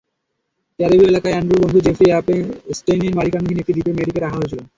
ক্যারিবীয় এলাকায় অ্যান্ড্রুর বন্ধু জেফ্রি এপস্টেইনের মালিকানাধীন একটি দ্বীপে মেয়েটিকে রাখা হয়েছিল।